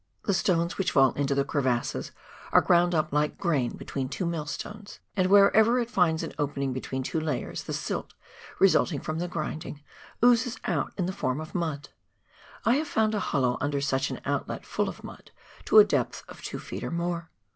The stones which fall into the crevasses are ground up like grain between two millstones ; and wherever it finds an opening between two layers, the silt, resulting from the grinding, oozes out in the form of mud. I have found a hollow under such an outlet full of mud, to a depth of two feet or more.